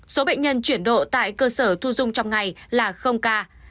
số bệnh nhân chuyển độ tại cơ sở thu dung trong ngày là ca